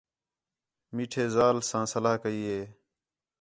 میٹھے ذال ساں صلاح کَئی ہِے